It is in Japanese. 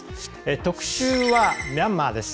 特集は、ミャンマーです。